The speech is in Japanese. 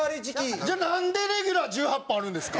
じゃあ、なんでレギュラー１８本あるんですか？